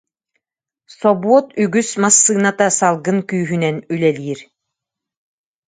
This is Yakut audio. Собуот үгүс массыыната салгын күүһүнэн үлэлиир